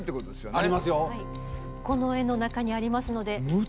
この絵の中にありますのでぜひ。